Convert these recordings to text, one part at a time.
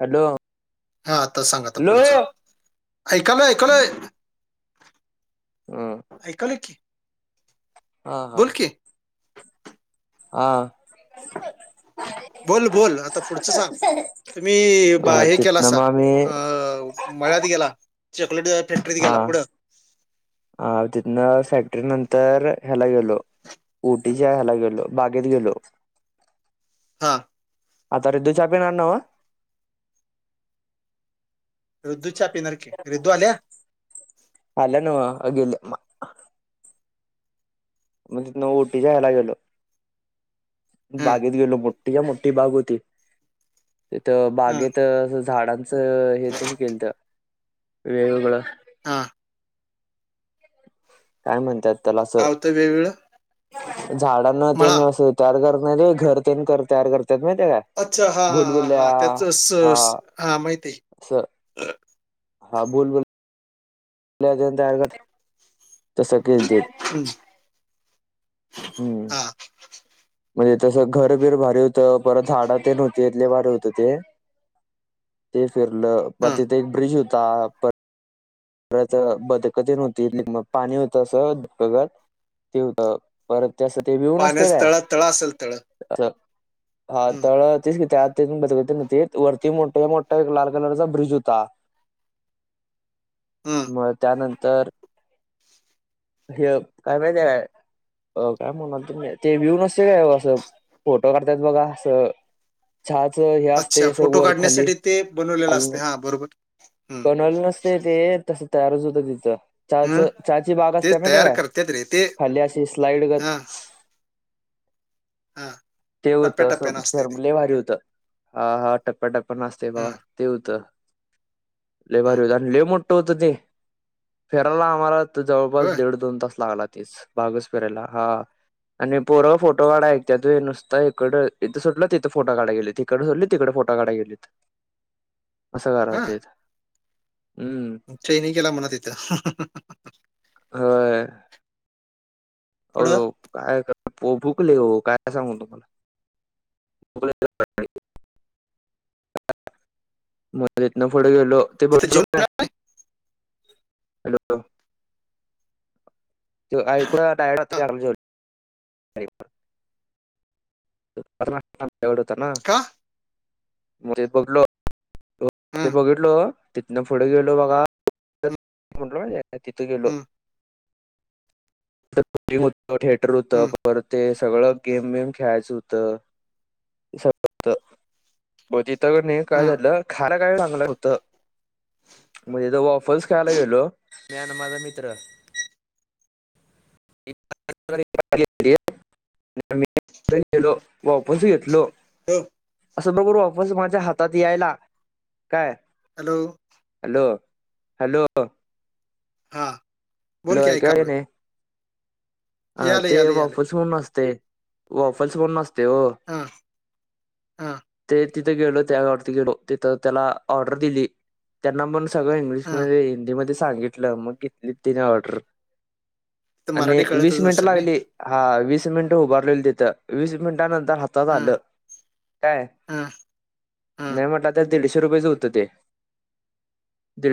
Hello! हा आता सांग आता हॅलो पुढचं, ऐकालोय ऐकालोय. हम्म. ऐकलोय की. हा बोल हां. की आं. बोल बोल आता पुढचं सांग. तुम्ही बा हा हे तिथनं केलंसा,, मग आम्ही अ मळ्यात गेलासा, चॉकलेट फॅक्टरीत हा, गेला पुढं हा तिथनं फॅक्टरी नंतर ह्याला गेलो, उटीच्या हयला गेलो, बागेत गेलो. हां. आता रिदु च्या पिणार नवं. रिदू च्या पिणारकी, रिदू आल्या आल्या नवं,, अं गेल्या मग तितनं ओटी च्या हला गेलो. हं, बागेत गेलो मोठ्ठीच्या मोठ्ठी! बाग होती तिथं हं, बागेत. झाडांचं हे त्यांनी केलंत वेगवेगळं. हां. काय? म्हणतात त्याला असं. तर वेगवेगळं. झाडांना न तेन मळा तयार करत नाही घर तेन कर तयार करतात माहिते काय? अच्छा! हा भुलभुलया हा त्याचच स सर आ माहिती आहे. स हा बोल, बोल. [inaudible] तसं केलते. [inaudible] हम्म. हा म्हणजे तसं घरबिर भारी होतं परत झाडा नव्हती भारी होत ते. हे फिरलं पर हा तिथे एक ब्रिज होता. पन परत बदकतेन व्हती इ मग पाणी होतं अस [unintelligible] ात ते होत परत त्यास ते व्हीव नसते पाण्याचं काय तळा तळा असेल तळ अस हा हं, तळं तर तेच त्यात. बदकं तेन हुतीत वरती मोठ्या मोठा एक लाल कलरचा ब्रिज होता. हम्म. म त्यानंतर हे काय माहितीे का? काय म्हणलातो ही ते व्यू नसते काय? असं फोटो काढतयात बगा असं. चहाचं हे असते अच्छा अस फोटो वर खाली काढण्यासाठी ते [unintelligible] बनवलेलं असते हा बरोबर हं, ते ते तसं तयारच होतं तिथं चाहाच हं, चहाची बाग अस ते तयार करत्यात रे! ते स्लाईड गत हां हां. ते होतं असं लै भारी होतं हा हा टप्प्या, टप पन आस तय भावा हं, ते होतं हं. लैभारी होतं आनी लै मोट ट होतं तेे फिराला आमाला त जवळपास होय दीड दोन तास लागला तेच. बागचं फिराला हा आनी पोरं फोटो काडाय ऐकत्यात वय नुस- ता इकडं इतं सुटलं तीतं फोटो काडाय गेलेत, इकडं सुटली तिकडं फोटो काडाय गेलेत. असं हा कराल् तेत हम्म. ट्रेनिंग केला म्हणा तिथं. हां. [inaudible] पुढं [unintelligible] [unintelligible] मग तिथनं पुढं गेलो. तिथं जेवण हॅलो [unintelligible] हा, [unintelligible] [unintelligible] का? [unintelligible] ते हं, बगितलो तितन फुडं गेलो बगा हं, तितं गेलो. हं, [unintelligible] थिएटर होतं हं, परत ते सगळं गेममीम. खेळायचं होतं. [unintelligible] मग तिथं कणी काय हं. झालं, खायला काय लागणार होतं. मग तीत ऑफल्स खायला गेलो, मी आणि माझा मित्र. [unintelligible] [unintelligible] गेलो वाफल्स घेतलो. [unintelligible] असं बरोबर वाफल्स माझ्या हातात यायला काय. हॅलो. Hello hello. हां. हॅलो [unintelligible] ह यालं ते यालं यालं वॉफल्स म्हणून असतंय, वॉफल्स म्हणून असतंय ओ. हां. ते तितं गेलो त्यावरती गेलो, तितं त्याला ऑर्डर दिली त्यांना मन सगळं हा इंग्लिशमध्ये हिंदीमध्ये सांगितलं, मग घेतलीत तिन्ही ऑर्डर. मराठी आणि कळत वीस मिनिटं लागली हां, वीस मिनिटं उभारलेलो तिथं वीस मिनिटानंतर हात हातात हा आलं. काय? हा हा नाही म्हटला तर दीडशे रुपयचं होतं ते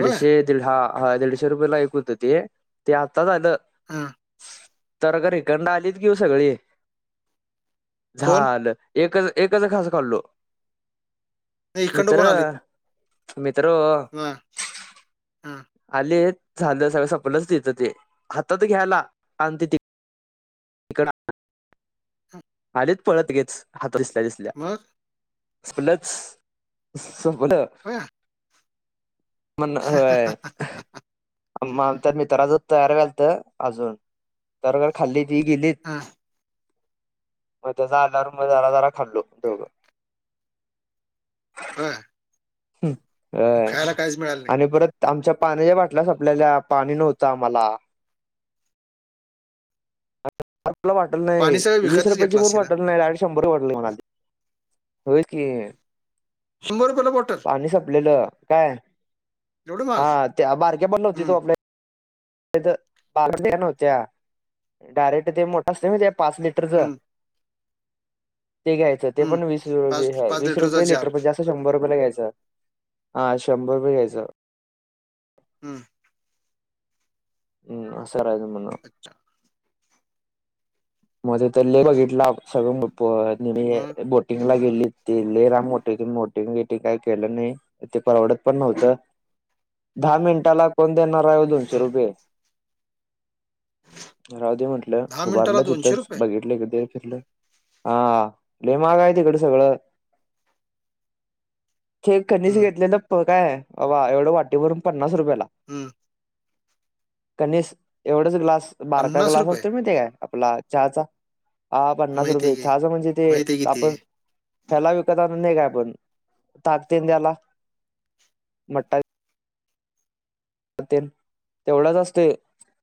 होय हा हा. दीडशे रुपयेला एक होतं, ते आत्ता झालं. हा. [unintelligible] आलेत की हो सगळे कोण झालं. एकच एकच खास खाल्लो नाही इकडं मित्र. मित्र ओ. आ आ. आलीत झालं सगळं संपलच. तिथं ते हातात घ्यायला आणि ति इकडंन [unintelligible] आलीत पळत लगेच, हात दिसल्या दिसल्या. मग [unintelligible] संपलं. हा. म्हण होय. म आमच्या मित्राचं तयार व्यालत अजून, तर खाल्लीत ती गेलीत. हां. मग तेज आल्यावर मग, जरा जरा खाल्लो दोघं. होय. मग होय खायला काहीच मिळालं नाही आणि परत. ते आमच्या पाण्याच्या बाटल्या संपल्याल्या पाणी नव्हतं आम्हाला. मला बॉटल नाही. पाणी सगळं वीस विकतच रुपयाची घेतला पण असेल हा. बॉटल नाही. डायरेक्ट शं शंभर बॉटल घेऊन आलती, होय की. शंभर रुपये ला बॉटल. पाणी संपलेलं काय, एवढं माल हा हम्म [unintelligible] [unintelligible] नव्हत्या, डायरेक्ट ते मोठ असते माहितीये पाच लिटर. लिटरच हम्म ते घ्यायचं ते हम्म. पण, वीस हे पाच हाय पाच वीस लिटरचा रुपये लिटर जार. म्हणजे असं. फक्त शंभर रुपयेला घ्यायचं, हा शंभर रुपये घ्यायचं. हम. हम् अस करायच आहे म्हण. अच्छा मध्ये तर लय हं, बघितला सगळं म् ब् मग नेहमी बोटिंगला गेलीत. ते लय लांब होतं बोटिंग बीटिं काय केलं नाही, ते परवडत पण नव्हतं. दहा मिनिटाला कोण देणार आहे दोनशे हं. रुपये. राहूदे म्हंटलं मिनिटाला उभारलं तिथ् [unintelligible] हा महाग हाय तिकड सगळं [inaudible] ते कणीस हं, घेतलेलं प् काय, बाबा एवढं वाटेभरून पन्नास रुपयाला. हम्म कणीस एवढंस ग्लास बारकं ग्लास असतोय माहिती हाय काय आपला चहाचा हां पन्नास माहिती रुपये आहे की, चहाचा म्हणजे ते माहिती आहे की ते. आपण ह्याला विकत नाही काय आपण ताक तेन द्यायला मट्टा वि् तेन तेवढाच असतोय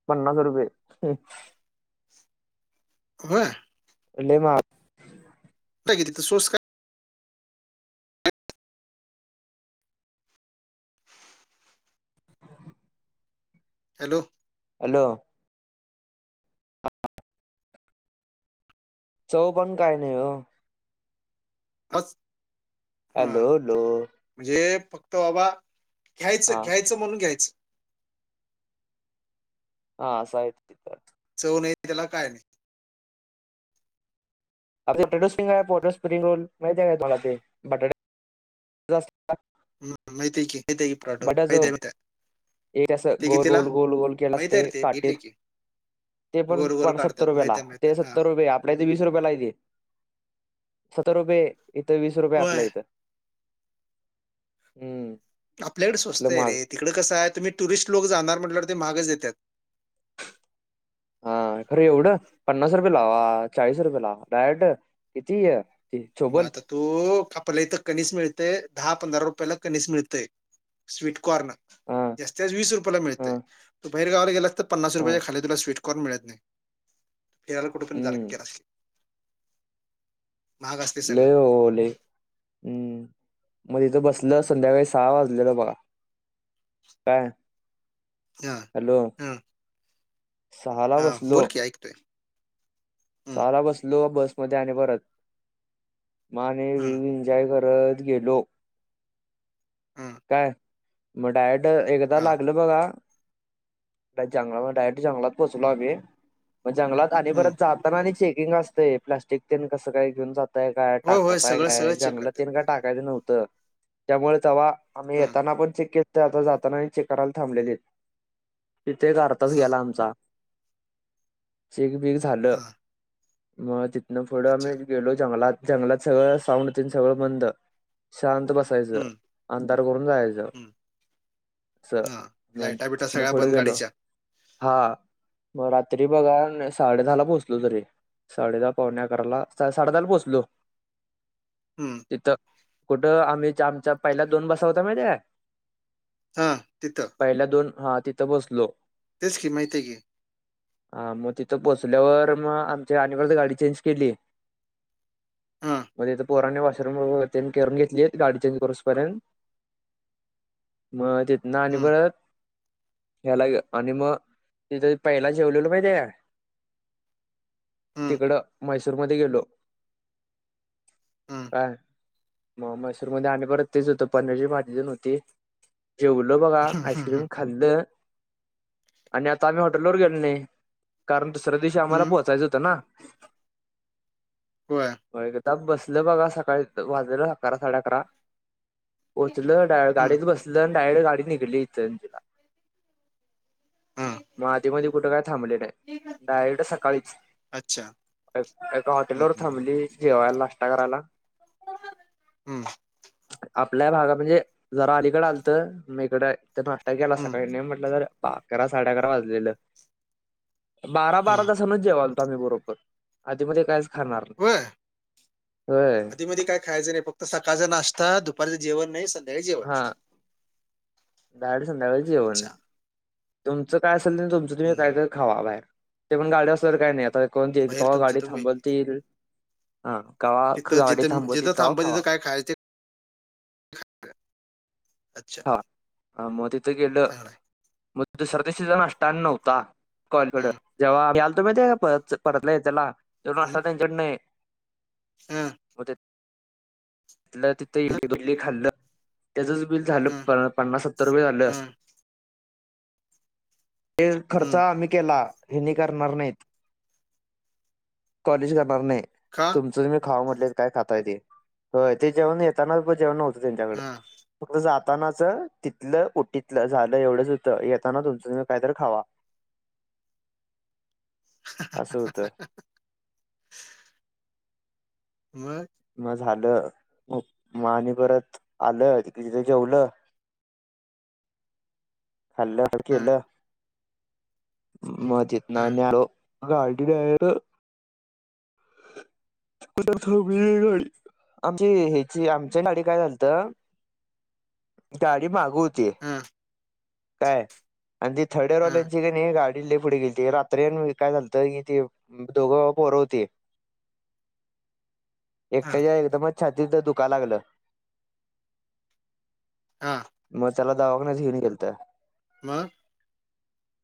पन्नास रुपय. होय. लय मा् तर तिथं स्वस् काय? हॅलो हॅलो [unintelligible] चव पण काय नाही हो. मस् हॅलो लो जे फक्त बाबा घ्यायचं हा घ्यायचं म्हणून घ्यायचं. हा असं आहेत तिथ. चव नाही त्याला काय नाही. अ बटाटो स्पिंग आहे बटाटो स्पिंग रोल माहिती आहे का तुमला ते बटाटा जस. [unintelligible] हम्म माहिती आहे की माहिती आहे की बटाटो माहित हाय माहिती हाय एक अस गोल गोल गोल गोल केलेलं माहिती आहे असतय रे ते काटेत बघितलंय की. ते गोल-गोल पण सत्तर काढतात. रुपयेला, माहिती आहे, माहिती ते आहे. हां. सत्तर रुपये आप् आपल्या इथे वीस रुपययाला ते, सत्तर रुपये इथं वीस रुपये आपल्या होय. इथं. हम्म. आपल्याकडे स्वस्त असलं आहे महाग रे तिकडे कसं आहे तुम्ही टुरिस्ट लोक जाणार म्हटल्यावर ते महागच देतात. हा खरं एवढं पन्नास रुपयला अ्वा चाळीस रुपयला डायरेक्ट किती अ् मग आता तू आपल्याला इथं कणीस मिळतय दहा पंधरा रुपयाला कणीस मिळतय. स्वीट कॉर्न हा जास्तीत जास्त वीस रुपयाला हा मिळतय तू बाहेर गावला गेलास तर, पन्नास हा रुपय खाली तुला स्वीट कॉर्न मिळत नाही. फिरायला कुठे पण जा हम्म केलास की. महाग असते सगळं लय हो लय हम्म मग इथं बसलं संध्याकाळी सहा वाजलेलं बघा. काय? हा हॅलो. सहाला हं बोल की, ऐकतोय. हम्म सहा बसलो बसमध्ये आणि परत म् आणि [unintelligible] व हम्म एन्जॉय करत. पळत गेलो. हम्म काय मग डायरेक्ट एकदा हा लागल बघा जंगलात डायरेक्ट जंगलात पोहचलो आम्ही मग जंगलात आणि हम्म परत जाताना आणि चेकिंग असतंय प्लास्टिक तेन कसं घेऊन जात ताय काय होय होय टाकताय सगळं सगळं काय चेक जंगलात करतात तेन का टाकायच नव्हतं त्यामुळे जव्हा आम्ही हा येताना पण चेक आता जाताना आणि चेक करायला थांबलेलीत तिथं एक अर्धा तास हा गेला आमचा. चेक बीक झालं हा मग तिथनं पुढं अच्छा आम्ही गेलो जंगलात. जंगलात सगळं साऊंड तेन सगळं बंद शांत बसायचं. हम्म अंधार करून जायचं हम्म असं हा म लाईटा बिटा तिथंन सगळ्या पुढं बंद गेलो. गाडीच्या हा मग रात्री बघा साडे दहा ला पोहोचलो तरी. साडेदहा पावणे अकराला साडेदहाला पोचलो. हम्म. तिथं कुठं आम्ही ज्या आमच्या पहिल्या दोन बसा होत्या माहित आहे काय? हा तिथं. पहिला दोन हा तिथं बसलो. तेच की माहिती आहं कि. हा मग तिथं पोचल्यावर मग आमची आणि परत गाडी चेंज केली. हा म तिथं पोराणी वॉशरूम व तेण करून घेतलीत गाडी चेंज करूसतो पर्यंत पर्यंत मग तिथंन आणि हम्म परत ह्याला आणि मग तिथ पहिला जेवलेलो माहिती आहं काय? हम्म तिकडं मैसूरमध्ये गेलो. हम्म काय मग मैसूर मध्ये आणि परत तेच होतं पनीरची भाजीतेण होती. जेवलो बघा हम्म आईस्क्रीम हम्म खाल्लं आणि आता आम्ही हॉटेलवर गेलो नाही, कारण दुसऱ्या दिवशी आम्हाला हम्म पोहोचायचं होतं ना. होय. म एखदा बसलं बघा सकाळी वाजलेलं अकरा साडेअकरा. पोचलं डायर हं, गाडीच बसलं आणि डायरेक्ट गाडी निघली इथं. हं. म आधी मधी काय कुठं काय थांबली नाही. डायरेक्ट सकाळीच अच्छा. एका हं, हॉटेलवर हं, हं, थांबली जेवायला नाश्ता करायला. हम्म आपल्या भागात म्हणजे जरा अलीकड आलत म इकड तर नाश्ता केला हं, सकाळी नाही म्हटलं ज अकरा साडे अकरा वाजलेलं बारा बारा हं. तासनचं जेवालतो आम्ही बरोबर आधी मधी कायच खाणार नाही होय होय आधी मधी काय खायचं नाही फक्त तर सकाळचा नाश्ता दुपारचं जेवण नाही संध्याकाळी जेवण, हा डायरेक्ट संध्याकाळी जेवन अच्छा. तुमचं काय असेल ते तुमचं तुम्ही काय हं. तर खावा बाहेर ते पण गाडी असल्या तर काही नाही आता कोण ती बाहेर का तुमच्या गाडी तुम्ही एकटेच. थांबवतील हा तिथं गाडी जिथं जिथं थांबवतील तवा थांबा खावा तिथं काय [unintelligible] अच्छा हाा मग तिथ गेलं चांगलं आहे. मग दुसऱ्या दिवशी चा नाश्ता आणि नव्हता काॅल कडं हं. जेव्हा आम्ही यायलतो माहिती परत ल्या त्यांच्याकडं नाही. हा तिथंल्या तिथं इडली बिडली खालं तेझच बिल हं, प पन्नास सत्तर रुपये झालं. हं, ते खर्च हं. आम्ही केला. हेनी करणार नाहीत कॉलेज करणार नाही. का? तुमचं तुम्ही खावा म्हटले काय खातायेत ते तर तेे जेवण येताना जेवण. त्यांच्याकड हां. फक्त जातानाच- तिथलं उटीतलं झालं एवढंच होतं येताना तुमचं काय? तर खावा असं होतं. मग. मग झालं म म आणि परत आलं कि तिथे जेवलं. खाल्ल हं, केलं. मग तिथंन हं, आणि आलो गाडी डायरेक्ट- गाडी आमची हची आमची गाडी काय झालत गााडी मागून. हं, काय आणि ती हं, का [unintelligible] नाही गाडी गेली. ट्रेन काय झालतं कि ती दोघं पोर होती. हं, एकट्याच्या एकदमच छातीतच दुखा लागलं. हां. मग त्याला दावाखान्यात घेवून गेलतं. मग?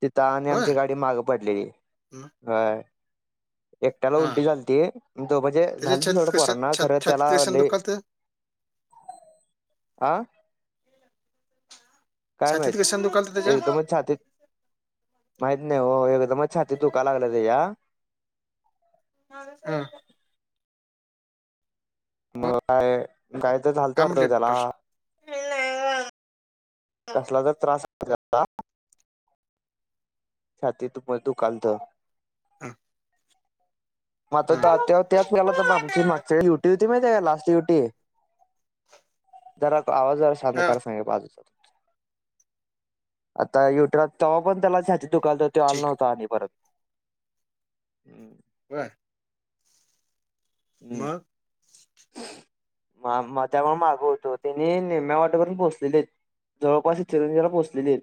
तिथ आणि होय? आमची गाडी माग पडलेली मग? ह. एकट्याला हां. उलटी झालती तो म्हणजे त्याच्या झालती छातीत थोडं कशा पोरांना छा खरं त्याला छातीत कशानं लय दुखालतं? आं. काय? माहित छातीत कशानं दुखालतं त्याच्या? एकदमच छातीत माहित नाही हो एकदमच छाती दुका लागलं त्याच्या. हा. मग काय? काय तर झालत काय वाटंत म्हटले त्याला. डॉक्टर? कसला तर त्रास होता त़्याला. [inaudible] छातीत दुखायला होतं हां मग त्याच वेला तर आमची मागच्या व ड्युटी माहीत लास्ट ड्युटी जरा आवाज शांत हा करा. आता [unintelligible] त तवा पण त्याला दुकालत तर तो आला ठीक नव्हता परत.. बरं. मग? मा त्यामुळं माग होतो त्यांनी निम्या वाटेवर पोहोचलेलीत. जवळपास चिंरंजीला पोहोचलेलीत.